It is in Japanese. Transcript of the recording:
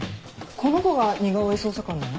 この子が似顔絵捜査官なの？